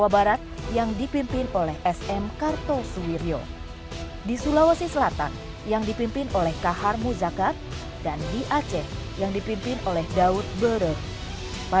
dalam putih tulang ini mengalir nama indonesia